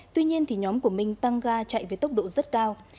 tuy nhiên nhóm của minh tăng ga chạy với tốc độ rất cao